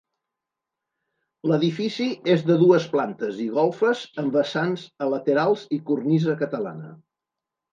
L’edifici és de dues plantes i golfes amb vessants a laterals i cornisa catalana.